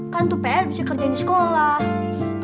kan untuk pr bisa kerja di sekolah